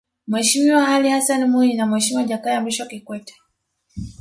Mheshimiwa Alli Hassani Mwinyi na Mheshimiwa Jakaya Mrisho Kikwete